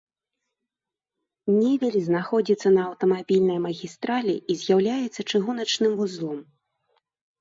Невель знаходзіцца на аўтамабільнай магістралі і з'яўляецца чыгуначным вузлом.